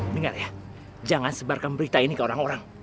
dengar ya jangan sebarkan berita ini ke orang orang